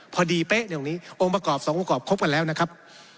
พอดีเป๊ะตรงนี้องค์ประกอบสององค์ประกอบคบกันแล้วนะครับ